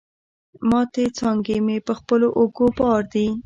ماتي څانګي مي په خپلو اوږو بار دي